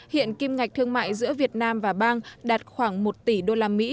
hiện kim ngạch thương mại giữa việt nam và bang đạt khoảng một tỷ usd